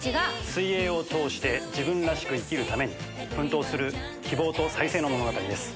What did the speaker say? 水泳を通して自分らしく生きるために奮闘する希望と再生の物語です。